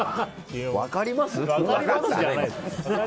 分かります？